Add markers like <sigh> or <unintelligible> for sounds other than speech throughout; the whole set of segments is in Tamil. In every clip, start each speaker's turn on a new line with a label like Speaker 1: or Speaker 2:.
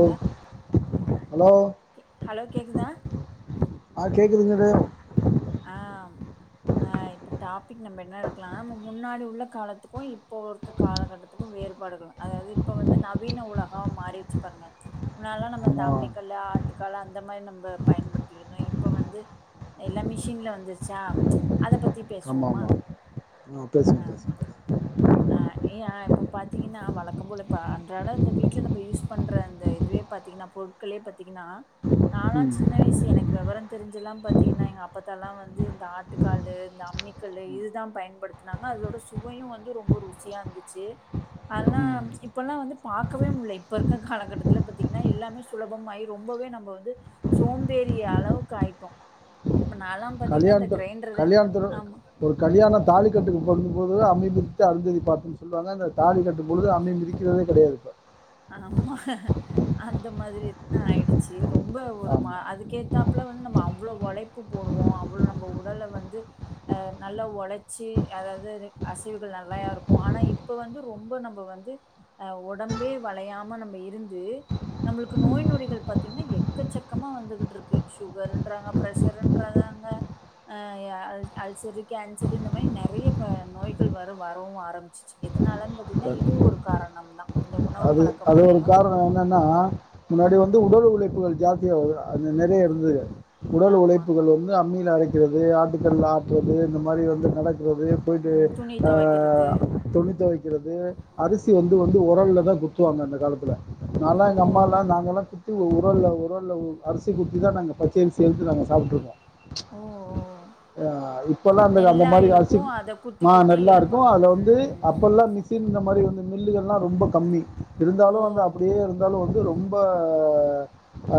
Speaker 1: ங்ளா
Speaker 2: ஹலோ
Speaker 1: கே ஹலோ கேக்குதா
Speaker 2: ஆ <inaudible>
Speaker 1: ஆஹ் ஆஹ் இப்ப டாபிக் நம்ம என்ன எடுக்கலா நம்ம முன்னாடி உள்ள காலத்துக்கு இப்போ இருக்க காலகட்டத்துக்கு வேறுபாடுகள் அதாவ்து இப்ப வந்து நவீன உலகோ மாறிருச்சு பாருங்க முன்னல்லா நம்ம இந்த
Speaker 2: ஆமாம்
Speaker 1: அம்மிக்கல்லு ஆட்டுக்கல்லு அந்த மாரி நம்ப பயன்படுத்தினோ இப்ப வந்து எல்லாமே ஸ் க்ரீன்ல வந்துருச்சா அத பத்
Speaker 2: ஆமா ஆமா ஆஹ் பேசுங்க பேசுங்க <inaudible>
Speaker 1: அஹ் ஏய இப்ப பாத்தீங்கனா வழக்கம்போல ப அன்றாட இந்த வீட்ல நம்ம யூஸ் பண்ற அந்த இதுவே பாத்தீங்கனா பொருட்களே பாத்தீங்கன்னா நால்லா
Speaker 2: ம்
Speaker 1: சின்ன வயசு எனக்கு வெவரந் தெரிஞ்செல்லா பாத்தீங்கனா எங்கப் ப்பத்தால்லா வந்து இந்த ஆட்டுக்காலு இந்த அம்மிக்கல்லு இது தா பயன்படுத்துனாங்க அதோட சுவையு வந்து ரொம்ப ருசியா இருந்துச்சு அதெல்லா
Speaker 2: ம்
Speaker 1: இப்பல்லா வந்து பாக்கவே முட்ல இப்ப இருக்கற காலகட்டத்துல பாத்தீங்கன்னா எல்லாமே சுலபமாயி ரொம்பவே நம்ப வந்து சோம்பேறியளவுக்கு ஆயிட்டோ
Speaker 2: கல்யாணத்து கல்யாணத்துல
Speaker 1: ஆமா.
Speaker 2: ஒரு கல்யாண தாலிக்கட்டுக்கு போதுதா அம்மி மிதித்து அருந்ததி பாத்துன்னு சொல்வாங்க இந்த தாலி கட்டும்பொழுது அம்மி மிதிக்கிறதே கெடையாது இப்போ
Speaker 1: ஆமா அந்த மாதிரிதா ஆயிடுச்சு ரொம்ப ஒரு மா
Speaker 2: ஆமாம்
Speaker 1: அதுக்கே அப்பல்லா வந்து நம்ம அவ்ளோ ஒழைப்பு போடுவோ அவ்ளோ நம்ம உடல வந்து அ நல்லா ஒழச்சி அதாவது அசைவுகள் நல்லையா இருக்கு ஆனா இப்ப வந்து ரொம்ப நம்ப வந்து அ ஒடம்பே வளையாம நம்ம இருந்து நம்மளுக்கு நோய் நொடிகள் பாத்தீங்கனா எக்கச்சக்கமா வந்துகிட்ருக்கு சுகருன்றாங்க பிரஷருன்றறாங்க அ ய அல் அல்சரு கேன்சரு இந்த மாரி நெறைய ப நோய்கள் வர வரவு ஆரம்பிச்சுச்சு எதுனாலன் பாத்தீங்கனா இதுவு ஒரு காரணம் தா இந்த உண
Speaker 2: அது அது ஒரு காரணோ என்னன்னா முன்னாடி வந்து
Speaker 1: ம்.
Speaker 2: உடல் உழைப்புகள் ஜாஸ்தியா <unintelligible> அது நெறைய இருந்துது உடல்
Speaker 1: ஆமா.
Speaker 2: உழைப்புகள் வந்து <unintelligible> மில அரைக்கிறது ஆட்டுக்கல்ல ஆட்றது இந்த மாதிரி வந்து நடக் போது பொயிட்டு
Speaker 1: ம். துணி
Speaker 2: அ
Speaker 1: துவைக்கிறது.
Speaker 2: துணி தொவைக் கிறது அரிசி வந்து வந்து ஒரல்ல தா குத்துவாங்க அந்த காலத்துல நால்லா
Speaker 1: ஓ!
Speaker 2: எங்க அம்மால்லா நாங்கல்லா உ உரல்ல உரல்ல உ அரிசி குத்தி தான் நாங்க பச்சரிசி எடுத்து நாங்க சாப்ட்ருக்கோ
Speaker 1: ஓ! ஓ!
Speaker 2: அஹ் இப்பல்லாம் அ அந்த
Speaker 1: நெல்லா
Speaker 2: மாதிரி அரிசி
Speaker 1: இருக்கும். அத குத்தி
Speaker 2: மா
Speaker 1: குத்தி
Speaker 2: நல்லா இருக்கும்
Speaker 1: எடுப்பாங்க.
Speaker 2: அது வந்து
Speaker 1: ம்.
Speaker 2: அப்பல்லாம் மிஷின் இந்த மாதிரி வந்து மில்லுகள்லா ரொம்ப கம்மி
Speaker 1: ஓ!
Speaker 2: இருந்தாலு அங்க அப்படியே இருந்தாலும் வந் இது ரொம்ப ஆ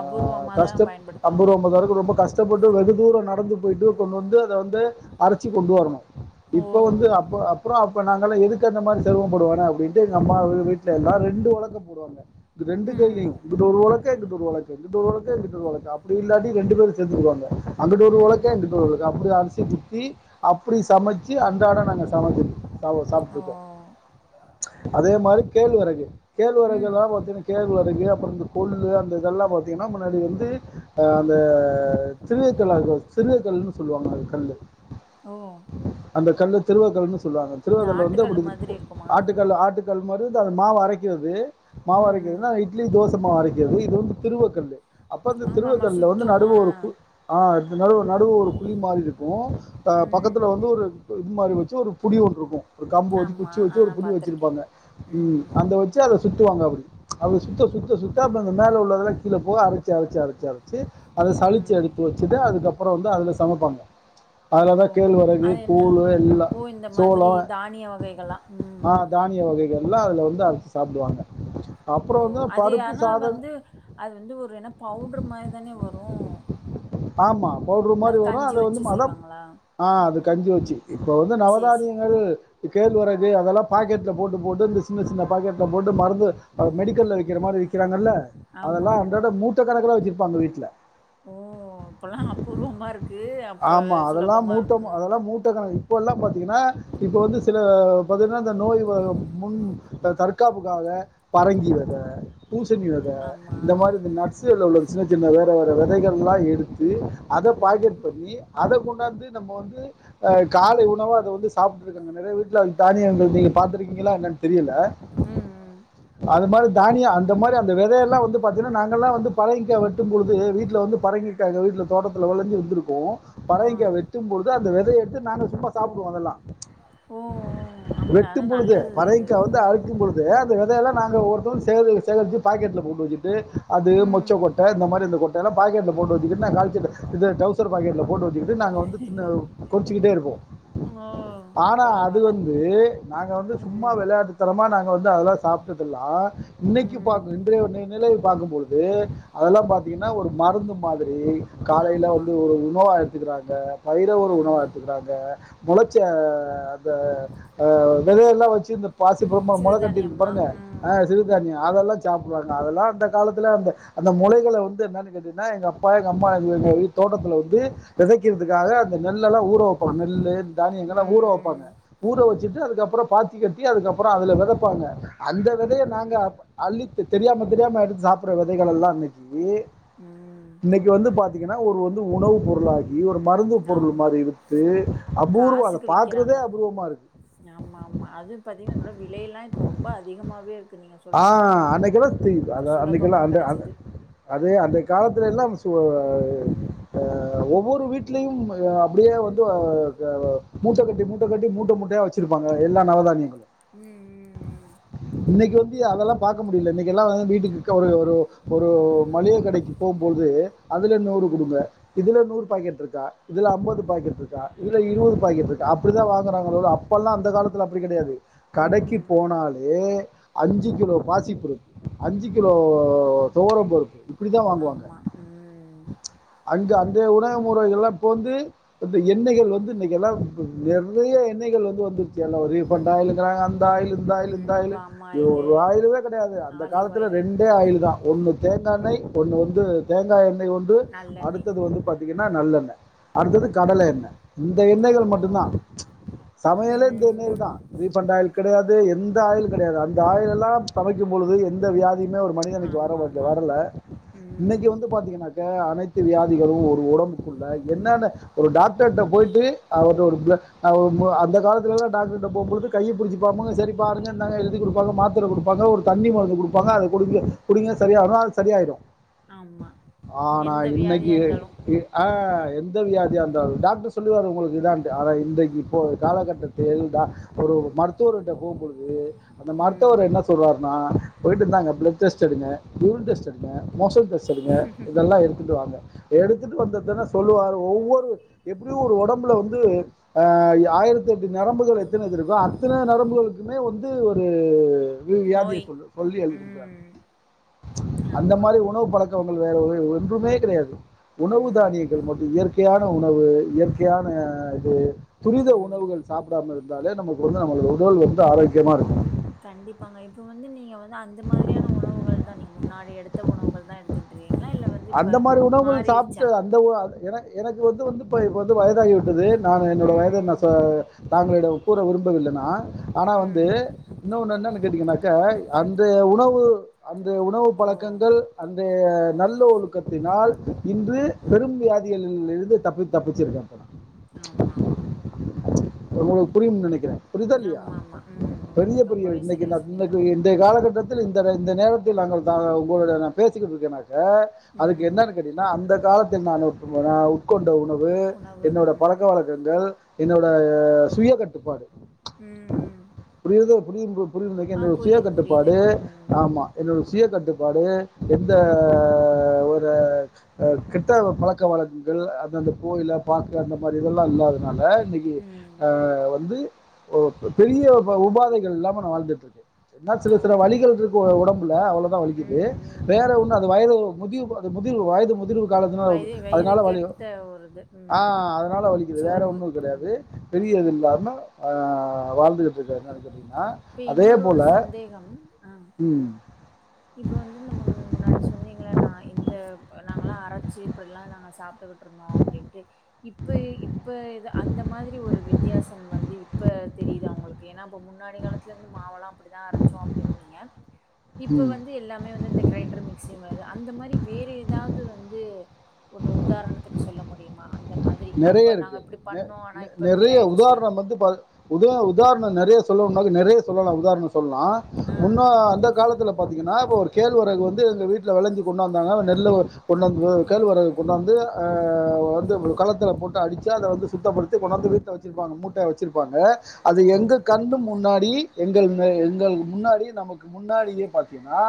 Speaker 1: அபூர்வமா தான்
Speaker 2: கஷ்டப்
Speaker 1: பயன்படுத்துவாங்க.
Speaker 2: அம்பது ஒம்பது
Speaker 1: ம்.
Speaker 2: வரைக்கு ரொம்ப கஷ்டப்பட் வெகுதூரோ நடந்து போய்ட்டு கொண்டு வந்து அத வந்து அரச்சி கொண்டு வரணு இப்ப வந்து
Speaker 1: ஓ!
Speaker 2: அப்ப அப்றோ இப்ப நாங்கல்லா எதுக்கு அந்த மாதிரி சிரமப்படுவேனா விடு அம்மாவு வீட் தேலா ரெண்டு ஒழக்க போடுவாங்க ரெண்டு
Speaker 1: ம்.
Speaker 2: கையிலேயு இங்குட்டொரு ஒழக்க இங்குட்டொரு ஒரு ஒழக் இங்குட்டொரு ஒழக்க இங்குட்டொரு ஒழக்க அப்படி இல்லாட்டி ரெண்டு பேரு சேந்துருவாங்க அங்குட்டு ஒரு
Speaker 1: ம்.
Speaker 2: ஒழக்க இங்குட்டு ஒரு அப்டி அரிசி ட்டு குத்தி அப்டி சமச்சு அன்றாட நாங்க சமக்கிற் தாவ
Speaker 1: ஓ!
Speaker 2: சாப்ட்ருக்கோ அதே மாரி கேழ்வரகு
Speaker 1: ம்.
Speaker 2: கேழ்வரகுல்லா பாத்தினா கேழ்வ ரகு அப்புறந்த கொள்ளு அந்த இதெல்லா பாத்திங்னா முன்னாடி வந்து அஹ் அந்த சிறியக்கல் சிறுக கல்ன்னு சொல்லுவாங்க அது கல்லு
Speaker 1: ஓ
Speaker 2: அந்த கல்ல திருவக்கல்ன்னு சொல்லுவாங்க
Speaker 1: இந்த
Speaker 2: திருவக்கல்லு வந்து
Speaker 1: ஆட்டுக்கல்லு
Speaker 2: அப்டி
Speaker 1: மாதிரி
Speaker 2: இருக்கு
Speaker 1: இருக்குமா?
Speaker 2: ஆட்டுக்கல் ஆட்டு கல்மாரி து தால் மாவை அரைக்கிரது
Speaker 1: ம். ம்.
Speaker 2: மாவரைக்குதுனா இட்லி தோஸ் மாவரைக்கிறது இது வந்து திருவக்கல்லு அப்பந்த
Speaker 1: ஆமாமா.
Speaker 2: திருவக்கல்ல வந்து
Speaker 1: சுத்தும்.
Speaker 2: நடுவ
Speaker 1: ஆ.
Speaker 2: ஒரு கு அ நடுவ நடுவ ஒரு குழி மாரி இருக்கு அ
Speaker 1: ம்.
Speaker 2: பக்கத்துல வந்து ஒரு இது மாரி வச்ச ஒரு புடி ஒன்ருக்கு ஒரு கம்பு வச்சு
Speaker 1: ஆமா.
Speaker 2: குச்சி வச்சு
Speaker 1: ஆ
Speaker 2: ஒரு புடி
Speaker 1: பாத்துருக்கேன்.
Speaker 2: வச்சிருப்பாங்க உம்
Speaker 1: ம்.
Speaker 2: அந்த வச்சு அத சுட்டுவாங்க அப்டிப் சுத்த சுத்த மேல உள்ள கீழ போகும் அரச்சு அரச்சு அரச்சு அத சளிச்சு
Speaker 1: ம்.
Speaker 2: எடுத்து வச்சுட்டு அதுக்கப்பறோ வந்து அதில சமப்பங்க
Speaker 1: ஓ!
Speaker 2: அதலதான் கேழ்வரகு
Speaker 1: அது என்ன?
Speaker 2: கூழ் எல்லா
Speaker 1: ஓ! இந்த மாதிரி
Speaker 2: சோளம்
Speaker 1: தானிய வகைகளா? ம்.
Speaker 2: ஆஹ் தானிய வகை அதுல வந்து அது சாப்டுவாங்க
Speaker 1: ஓ அது ஆனா வந்து அது வந்து ஒரு என்ன பவுடர் மாதிரிதானே வரும் ஆ
Speaker 2: ஆமாம் பவுட்ரு மாரி வரும் அத வந்து மதம்
Speaker 1: செய்வாங்களா?
Speaker 2: ஆ அது
Speaker 1: ம்.
Speaker 2: கஞ்சி வச்சு இப்போ வந்து
Speaker 1: சரி, சரி.
Speaker 2: நவதானியங்கள் கேழ்வரகு அதெல்லாம் பாக்கெட்டில் போட்டு போட்டு இந்த சின்ன சின்ன பாக்கெட்ல போட்டு மருந்து அது மெடிக்கல்ல விக்கிற மாதிரி விற்கிறாங்கல அதெல்லாம்
Speaker 1: ஆமாமா.
Speaker 2: உண்டாட மூட்ட கணக்கல வச்சு ங்க வீட்டுல
Speaker 1: ஓ இப்பல்லாம அபூர்வமா இருக்கு அப்ப
Speaker 2: ஆமா அதெல்லாம்
Speaker 1: சுலபமா இருக்கும்.
Speaker 2: மூட்டம்
Speaker 1: ம்.
Speaker 2: அதெல்லாம் மூட்ட கண இப்ப எல்லாம் பாத்தீங்கன்னா இப்பல்லாம் பாத்தீங்கன்னா வந்து சில பாத்தீங்கன்னா இந்த நோய் முன் தற்காப்புக்காக பரங்கி வேத பூசணிவிதை
Speaker 1: ஆமா.
Speaker 2: இந்த மாரி இந்த
Speaker 1: ம்.
Speaker 2: நட்ஸ்கள் உள்ள சின்ன சின்ன வேற வே விதைகல்லா எடுத்து அத
Speaker 1: ம்.
Speaker 2: பக்கேட் னி அத கொண்டாந்து நம்ப வந்து அ காலை உணவா அத வந்து சாப்டுருக்காங்க நறைய வீட்ல அந் தானியங்கள் நீங்க பாத்துருக் கிங்களா <unintelligible> தெரியல
Speaker 1: ம், ம்.
Speaker 2: அது மாத் தானிய அந்த மாத்ரி அந்த வெதல்லா வந்துட் பாத்தீங்னா நாங்கல்லா வந்து பரங்கிக்கா வெட்டும் போது வீட்ல வந்து பரங் க எங்க வீட்ல தோட்டத்துல வெளைஞ்சி இருந்துருக் கூ <unintelligible>
Speaker 1: ஆ.
Speaker 2: பரங்கிக்கா வெட்டும்போது அந்த வெ த எடுத்து நாங்க சும்மா சாப்டுவோ அதல்லா
Speaker 1: ஓ! ஓ! ஆமா. அது
Speaker 2: வெட்டும் பொழுது
Speaker 1: நல்லது அது.
Speaker 2: பரங்கிக்கா வந்து
Speaker 1: ம்.
Speaker 2: அழுத்தும் பொழுது த வெதையல்லா நாங்க ஒருத்தரூ சேகர் சேகரித்து பாக்கெட்ல போட்டு வச்சுப் து அது
Speaker 1: ம்.
Speaker 2: மொச்ச கொட்ட இந்த மாதிரி அந்த கொட் தெனோ பாக்கெட்ல போட்டு வச்சுக்கிட்டு நா கால்சட்ட இது டவுஸ் சர் பாக்கட்ல போட்டு வச்சுக்கிட்டு நாங்க வந்து சின்ன கொ சிக்கிட்டே இருப்போ
Speaker 1: ஓ!
Speaker 2: ஆனா அது
Speaker 1: பரவால்ல.
Speaker 2: வந்து நாங்க வந்து சும்மா
Speaker 1: ம்.
Speaker 2: வெளாட்டு தனமா நாங்க வந்து அததா சாப்ட்டதெல்லா இன்னிக்கு
Speaker 1: ம்.
Speaker 2: பாத்து இன்றையவர் நிலை பாக்கும்பொழுது அதல்லா பாத்தீங்கனா ஒரு மருந்து மாதிரி காலையில்
Speaker 1: ஆமா
Speaker 2: வந்து ஒரு உணவா எடுத்துக்கிறாங்க பயிர ஒரு உணவா
Speaker 1: ம்
Speaker 2: எடுத்துக்கிறாங்க மொளச்ச அந்த ஆ வெதயெல்லா வச்சு இந் பாசிபருப் ம மொள கட்டிருக்கு
Speaker 1: சிறுதானியம்லா
Speaker 2: பாருங்க ஆ
Speaker 1: ம்
Speaker 2: சிறுதானியோ அதல்லா சாப்டுவாங்க அதல்லா அந்த காலத்துல அந்த அந்த மொளைகள வந்து என்னான்னு கேட்டீங்னா எங்கப்பா எங்கம்மா இர் எங்க வீடு தோட்டத்துல வந்து வெதைக்கிறதுக்காக அந்த நெல்லல்லா ஊ றோ வெப்பா நெல்லு
Speaker 1: ம்
Speaker 2: தானியங்களா ஊறோ வெப்பாங்க
Speaker 1: ம் ம்
Speaker 2: ஊறோ வச்சுட் டு அதுக்கப்பறோ பாத்தி கட்டி அதுக்கப்பறோ அதுல வெதப்பாங்க அந்த வெதைய நாங்க அப் அள்ளித்து தெரியாம தெரியாம எடுத்து சாப்பிட்ற வெதைகள் எல்லா இன்னிக்கி
Speaker 1: ம்
Speaker 2: இன்னிக்கு வந்து பா ஒருவ்வந்து உணவுப் பொருளாகி மருந்து பொருள்
Speaker 1: ஆமா
Speaker 2: மாதிரி வித்து அபூர்வம் அதை
Speaker 1: காசுக்கு விக்கிறாங்க
Speaker 2: பார்க்கறதே அபூர்வமா இருக்கு
Speaker 1: ஆமா ஆமா அது பாத்தீங்னா நல்லா விலையெல்லா இப்ப ரொம்ப அதிகமாவே இருக்கு நீங்க
Speaker 2: ஆ
Speaker 1: சொல்றதெல்லா அங்க
Speaker 2: அன்னைக்கெல்லா தீவ்
Speaker 1: அப்ப
Speaker 2: அது அன்னைக்கெல்லா
Speaker 1: சுலபமா
Speaker 2: அந்த அந்
Speaker 1: கெடச்சது
Speaker 2: அதே அன்றை காலத்துல எல்லாம் து ஆவ் ஆ ஒவ்வொரு வீட்லயும் ஆ ப்டியே வந்து ஒ கே வா மூட்டக்கட்டி மூட்டக்கட்டி மூட்ட மூட்டையா வச்சிருப்பாங்க எல்லா நவதானியங்களும்
Speaker 1: உம் உம் உம்
Speaker 2: சி அதெல்லா பாக்க முடில இனைக்கெல்லாம் வீட்டுக்கு கு ஒரு ஒரு ஒரு ஓ மளிகை கடைக்கு போம்போது அதுல
Speaker 1: ம்
Speaker 2: நூறு
Speaker 1: ம்
Speaker 2: கொடுங்க இதுல நூறு பாக்கெட் இர்கா இதுல அம்பது பாக்கெட் இர்கா இதுல இருவது பாக்கெட் இர்கா அப்டிதா வாங்கறாங்கலோட அப்பெல்லா அந்த காலத்தில அப்டி கெடையாது
Speaker 1: ம்
Speaker 2: கடக்கி
Speaker 1: ம்
Speaker 2: போனாலே அஞ்சு கிலோ பாசிப் பருப்பு அஞ்சு கிலோ தோரம்ப் பருப்பு இப்படி தான்
Speaker 1: ஆமா உம்
Speaker 2: அங்க அந்தயே உணக முறைகள்லா இப்போ வந்து த எண்ணெய்கள் வந்து இன்னிக்கெல்லாம் நேர் நெறைய எண்ணெய்கள் வந்து வந்துருச்செல்லா ரீபண்ட் ஆயிலுங்கிறாங்க அந் இந்தாயில் இந்தாயில்
Speaker 1: ம்
Speaker 2: இந்தாயிலு
Speaker 1: பாமாயிலு
Speaker 2: ஒராயிலுக் கூட கெடையாது அந்த
Speaker 1: ஆலிவ்
Speaker 2: காலத்தல
Speaker 1: ஆயிலு
Speaker 2: ரெண்டே
Speaker 1: ம்
Speaker 2: ஆயில்தா ஒன்னு தேங்காணெய் ஒன்னு வந்து தேங்கா எண் னியொன்டு
Speaker 1: நல்லெண்ணெய்
Speaker 2: அடுத்தது வந்து பா என்ன நல்லண்ண அடுத்தது கடல
Speaker 1: ம்
Speaker 2: எண்ண இந்த
Speaker 1: ஓ
Speaker 2: எண்ணெய்கள் மட்டும் தான் சமையல இந்த
Speaker 1: ம்
Speaker 2: எண்ணெயல
Speaker 1: ம்
Speaker 2: தான் ரிஃபண்ட் ஆயில் கெடையாது எந்த ஆயில் கெடையாது அந் எல்லாம் சமைக்கும் பொழுது எந்த வயாதி ஒரு மனிதனுக்கு
Speaker 1: ஆமா
Speaker 2: வர
Speaker 1: ஆமா
Speaker 2: வரல இன்னைக்கு
Speaker 1: ம்
Speaker 2: வந்து பாத்தீங்கன்னாக்க அனைத்து வியாதிகளும் ஒரு ஒடம்புக்குள்ள என்னென்ன ஒரு டாக்டர்ட்ட போயிட்டு அவருடைய ஒரு அந்த காலத்தில் டாக்டர் கிட்ட போம்போது கைய புடிச்சு பாப்பாங்க செரி பா எழுதி கூடு ப்ப மாத்ர கொடுப்பாங்க ஒரு தண்ணி மருந்து கொடுப்பாங்க அது குடிங்க செரி அது சரியயிடும்
Speaker 1: ஆமா
Speaker 2: ஆனா
Speaker 1: எந்த
Speaker 2: இன்னைக்கு
Speaker 1: வியாதியா இருந்தாலு
Speaker 2: ஆஹ் எந்த வியாதியருந்தாலும் டாக்டர் சொல்லுரு உங்களுக்கு இத்தன்ட்டு ஆனா இன்றைக்கு இப்போ காலகட்டத்தில் மருத்துவருட்ட போகு பொழுது அந்த
Speaker 1: ம்
Speaker 2: மருத்துவர் என்ன சொல்றாருனா போயிட்டுந்தா பிளட்டெஸ்ட் எடுங்க யூரின் டெஸ்ட் எடுங்க மோசன் டெஸ்ட் எடுங்க இதெல்லா எடுத்துட்டு வாங்க எடுத்துட்டு வந்தது தன்ன சொல்லுவாரு ஒவ்வொரு எப்படியு ஒரு ஒடம்புல வந்துஹ் ஆயிரத்தட்டு எட்டு நரம்புகள் எத்தனை இருக்கோ அத்தன நரம்புகளுக்குமே வந்து <unintelligible> வியாதிய
Speaker 1: நோய்
Speaker 2: சொல்லு சொல்லி அழு கொடுப்பார்
Speaker 1: ம்
Speaker 2: <unintelligible> அந்த
Speaker 1: ஆமா
Speaker 2: மாதிரி உணவு பழக்க வேற ஒன்றுமே கெடையாது உணவு
Speaker 1: ம்
Speaker 2: தானியங்கள் மட்டும் இயற்கையான உணவு இயற்கையான இது துரித
Speaker 1: ம்
Speaker 2: உணவுகள் சாப்டாமல் இரு நமக்கு வந்து நம்ம உடல் வந்து ஆரோக்கியமா இருக்கூ
Speaker 1: கண்டிப்பாங்க இப்ப வந்து நீங்க வ அந்த மாதிரியான உணவுகள் நீங்க முன்னாடி எடுத்த உணவுகள் தான் எடுத்துக்கிட்
Speaker 2: அந்த மாரி உணவுகள் சாப்ட்டு அந்த உ என எனக்கு வந்து வந்து இப்ப வந்து வயதாகி விட்டது நான் என்னோட வயதுன
Speaker 1: ம் ம்
Speaker 2: சார் தாங்களிடம் கூற விரும்பவில்லனா ஆனா வந்து
Speaker 1: ம்
Speaker 2: இன்னொன்னு என்னக் கேட்டீங்கன்னாக்க அந்த உணவு அந்த உணவு
Speaker 1: ஓ
Speaker 2: பழக்கங்கள் ஒரு நல்ல க்கத்தினால் இன்று பெரும் வியாதிகளிலழுந்து தப்பி தப்பிச்சிருக்கே
Speaker 1: ஆமா ஆமா
Speaker 2: உங்களுக்கு புரியும்னு நெனைக்கிறே புரியித இல்லையா
Speaker 1: ஆமா ஆமா ம் ம்
Speaker 2: பெரிய பெரிய
Speaker 1: ரொம்பவே
Speaker 2: இன்னைக்கு
Speaker 1: சரியா சொன்னீங்க
Speaker 2: இன்னைக்கு இந்த காலகட்டத்தில் இந்த நேரத்தில் நாங்கள் உங்களுடன் நான் பேசிக்கிட்டு இருக்கேன்னாக்க அதுக்கு
Speaker 1: ம்
Speaker 2: என்னன்னு கேட்டீங்கனா அந்த காலத்தில் நான் உட் உட் கொண்ட உணவு
Speaker 1: உணவு
Speaker 2: என்னோட
Speaker 1: ம்
Speaker 2: பழக்க வழக்கங்கள் என்னோட சுய கட்டுப்பாடு
Speaker 1: உம் உம்
Speaker 2: வெளியிருந்தோம் புரியிதுனாக்க என்னோட சுய கட்டுப்பாடு
Speaker 1: ம்
Speaker 2: ஆமா என்னோட சுய கட்டுப்பாடு எந்த ஒரு அஹ் கெட்ட பழக்க வழக்கங்கள் அது அந்த புகையில பாக்கு அந்த மாரி இதெல்லா இல்லாதனால இன்னைக்கு
Speaker 1: ம்
Speaker 2: ஆஹ் வந்து ஓ இப்ப பெரிய இப்ப உபாதைகள் இல்லாம நா வாழ்ந்துட்ருக்கே என்ன சில
Speaker 1: ஓ
Speaker 2: சில வழிகள் இருக்கு எ ஒடம்புல அவ்ளதா வலிக்குது
Speaker 1: ம் ம்
Speaker 2: வேற
Speaker 1: ம்
Speaker 2: ஒன்னு அது வயது முதியவா இந்த முதிர்வு வயது முதிர்வு காலத்தினால் அது
Speaker 1: வயது
Speaker 2: அதுனால வலியு
Speaker 1: வயதுக்கேத்த ஒரு இது ம்
Speaker 2: ஆஹ் அதுனால வலிக்குது வேற
Speaker 1: சோர்வு
Speaker 2: ஒன்னு கெடையாது
Speaker 1: ம்
Speaker 2: பெரிய இது இல்ல என்ன ஆஹ் வாழ்ந்துக்க இங்க பாருங்க அத கேட்டீங்கனா
Speaker 1: இப்ப
Speaker 2: அதே
Speaker 1: இன்னொரு ஒரு
Speaker 2: போல
Speaker 1: சந்தேகம் ஆ
Speaker 2: உம்
Speaker 1: இப்ப வந்து நம்ம முன் முன்னாடி சொன்னீங்கள நா எங்க நாங்கலா அரச்சு இப்டிலா நாங்க சாப்ட்டுக்கிட்ருந்தோ‌ அப்டின்ட்டு இப்பயே இப்ப இது அந்த மாதிரி ஒரு வித்தியாசம் வந்து இப்ப தெரியிதா ஒங்களுக்கு ஏனா இப்ப முன்னாடி காலத்துல இருந்து மாவெல்லா அப்டிதா அரச்சோ அப்டின் நீங்க இப்ப
Speaker 2: ம்
Speaker 1: வந்து எல்லாமே வந்து இந்தக் கிரைண்டர் மிக்ஸி மாரி அந்த மாரி வேற எதாவ்து வந்து ஒன்னு உதாரணத்துக்கு சொல்ல முடியுமா அந்
Speaker 2: நெறைய இருக்கு ந நெ
Speaker 1: இப்ப இப்டி
Speaker 2: நெறைய
Speaker 1: ஆயிடுச்சு
Speaker 2: உதார்ணம் வந்து பா உதார் உதார்ணம் நெறைய சொல்லனும்னா எ நெறைய சொல்லலா உதார்ண சொ தொல்லா
Speaker 1: ஆ ஆ
Speaker 2: முன்ன அந்த காலத்துல பாத்தீங்கனா இப்ப ஒரு கேழ்வெரகு வந்து எங்க வீட்ல வெளஞ்சு கொண்டாந்தாங்க அந்த நெல்லு கொண்டாந்து வ
Speaker 1: ம்
Speaker 2: கேழ்வெரகு
Speaker 1: ம்
Speaker 2: கொண்டாந்து ஆஹ் ஆஹ் வந்து உங்களுக்கு கலத் துல போட்டு அடிச்சு அத வந்து சுத்தப்படுத் தி கொண்டாந்து வீ்ட்ல வச்சிருப்பாங்க மூட்ட வச்சிருப்பாங்க அது
Speaker 1: ஓ
Speaker 2: எங்க கண்ணு முன்னாடி எங்கள் ம எங்களுக்கு முன்னாடி நமக்கு முன்னாடியே பாத்தீனா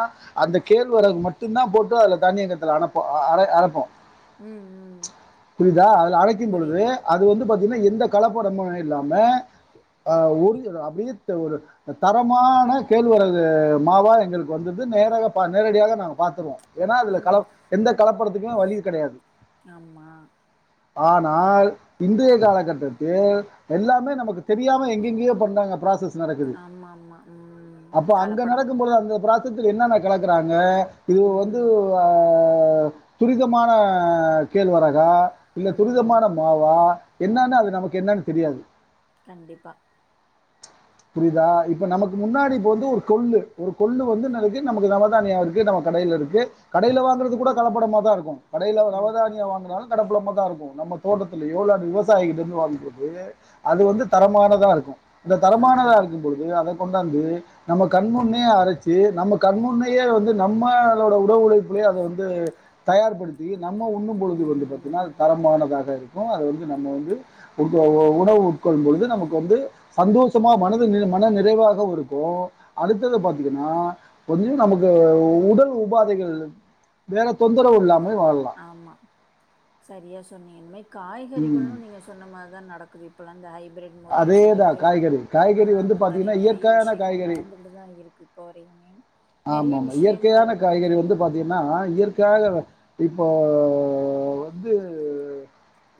Speaker 2: அந்த கேள்வெரகு மட்டுந்தா போட்டு அதுல தானியங்கத்துல அனப்போ ஆஹ் அர அரப்போ
Speaker 1: உம் உம்
Speaker 2: கிம் பொழுது அது வந் து பாத்தீனா எந்த கலப்படமு இல்லாம ஆஹ் ஒரு அது அப்டித்த ஒரு அ தரமான கேழ்வெரகு மாவா எங்களுக்கு வந்துருது நேராக பா நேரடியாக நாங்க பாத்துருவோ ஏனா அதுல
Speaker 1: ம்
Speaker 2: கலப் எந்தக் கலப்படத்துக்கு வழி கெடையாது
Speaker 1: ஆமா
Speaker 2: ஆனால் இன்டைய காலகட்டத்தில் எல்லாமே நமக்கு தெரியாம எங்கெங்கேயோ பண்றாங்க ப்ராசஸ் நடக்குது
Speaker 1: ஆமா ஆமா ம்
Speaker 2: அப்ப அங்க
Speaker 1: கலப்படம்
Speaker 2: நடக்கும்பொழுது அந்த பிராஸ் டீ தூள்ல என்னென்ன கலக்குறாங்க இது வந்து
Speaker 1: ம்
Speaker 2: ஆஹ் துரிதமான கேழ்வெரகா இல்ல
Speaker 1: ம்
Speaker 2: துரிதமான மாவா என்னான்னா அது நமக்கு என்னன்னு தெரியாது
Speaker 1: கண்டிப்பா
Speaker 2: புரியுதா இப்ப நமக்கு முன்னாடி இப்ப வந்து ஒரு கொள்ளு ஒரு கொள்ளு வந்து நருக்கு நமக்கு நவ தானிய இருக்கு நம்ம கடைல இருக்கு கடைல வாங்குறது கூட கலப்படமாதா இருக்கு கடைல
Speaker 1: ம்
Speaker 2: நவதானிய வாங்குனாலு கடப்புளமா தா இருக்கு நம்ம தோட்டத்துல எவ்ளானு விவசாயிகிட்ட இருந்து வாங்கிறது அது வந்து தரமானதா இருக்கு தரமானதா
Speaker 1: ஆமா
Speaker 2: இருக்கும் பொழுது அத கொண்டாந்து நம்ம கண்முன்னே அரைச்சு நம்ம கண்முன்னயே வந்து நம்மளோட உடல் உழைப்புலே அத வந்து தயார்படுத்தி நம்ம உண்ணும் பொழுது வந்து
Speaker 1: ம்
Speaker 2: பாத்தீனா அது
Speaker 1: ம்
Speaker 2: தரமானதாக இருக் கு அத வந்து நம்ம வந்து உட்கொள்வ உணவு உட்கொள்ளும் பொழுது நமக்கு வந்து சந்தோஷ் தெம்மா மனது நில மன நிறைவாகவுருக்கு அடுத்தது பாத்தீங்கனா கொஞ்ச நமக்கு உடல் உபாதைகள் வேற தொந்தரவு இல்லாம்
Speaker 1: ஆமா சரியா சொன்னீங்கமெய் காய்கறிகளு
Speaker 2: ம்
Speaker 1: நீங்க சொன்ன மார்தா நடக்குது இப் பலா இந்த ஆய்வு பிரெட் முறை
Speaker 2: அதே தான்
Speaker 1: சொல்லிட்டு
Speaker 2: காய்கறி
Speaker 1: அ
Speaker 2: காய்கறி வந்து
Speaker 1: இந்த மாரி
Speaker 2: பார்த்தீங்கன்னா
Speaker 1: நெறைய
Speaker 2: இயற்கையான
Speaker 1: விஷ்யங்கள்
Speaker 2: காய்கறி
Speaker 1: நடந்துகிட்டுதா இருக்கு இப்போ வரையுமே
Speaker 2: ஆமா
Speaker 1: நெறைய
Speaker 2: ஆமா
Speaker 1: விஷயங்கள்
Speaker 2: இயற்கையான காய்கறி வந்து பாத்தீங்கனா இயற்கையாக இப்போ வந்து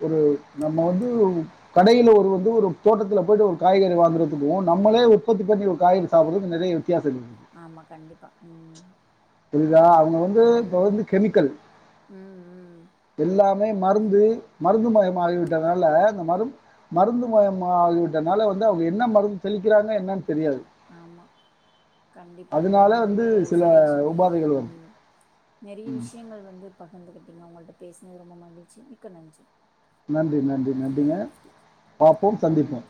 Speaker 2: ஒரு நம்ம வந்து கடைல ஒரு வந்து ஒரு தோட்டத்தில போய்ட்டு ஒரு காய்கறி வாங்குறதுக்கு நம்மளே உற்பத்தி பண்ணி ஒரு காய்கறி சாப்ட்றதுக்கு நெறைய வித்
Speaker 1: ஆமா கண்டிப் பா உம்
Speaker 2: புரியுதா அவுங்க வந்து இப்ப வந்து கெமிக்கல்
Speaker 1: ம் ம்
Speaker 2: எல்லா துண்டு மருந்து மருந்துமயம் ஆகிவிட்டதால அந்த மருந் மருந்துமயம் ஆகிவிட்டனால வந்து அவுங்க என்ன மருந்து தெளிக்கிறாங்க என்னனு
Speaker 1: ஆமா கண்டிப்பாங்க
Speaker 2: அதனால வந்து
Speaker 1: ரொம்பவே
Speaker 2: சில
Speaker 1: சரியா சொன்னீங் கெ
Speaker 2: உபாதைகள் வருது.
Speaker 1: உம் நெறைய
Speaker 2: ம்.
Speaker 1: விஷ்யங்கள் வந்து பகிர்ந்துக்கிட்டிங்க உங்கள்ட்ட பேசுனது ரொம்ப மகிழ்ச்சி மிக்க நன்றி
Speaker 2: நன்றி நன்றி நன்றிங்க பாப்போம் சந்திப்போம்